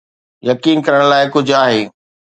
يقين ڪرڻ لاء ڪجهه آهي.